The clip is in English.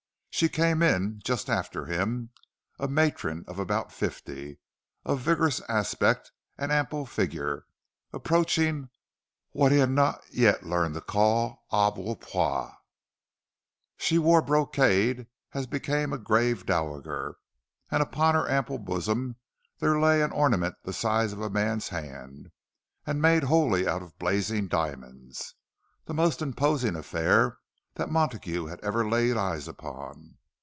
She came in just after him—a matron of about fifty, of vigorous aspect and ample figure, approaching what he had not yet learned to call embonpoint. She wore brocade, as became a grave dowager, and upon her ample bosom there lay an ornament the size of a man's hand, and made wholly out of blazing diamonds—the most imposing affair that Montague had ever laid eyes upon.